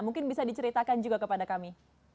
mungkin bisa diceritakan juga kepada kami